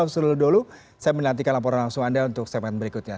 saya menantikan laporan langsung anda untuk segmen berikutnya